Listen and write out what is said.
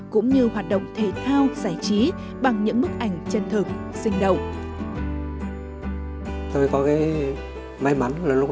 cũng như hoạt động thể thao giải trí bằng những bức ảnh chân thực sinh động